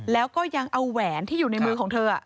แล้วก็ยังเอาแหวนที่อยู่ในมือของเธอ